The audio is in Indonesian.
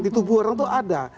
di tubuh orang itu ada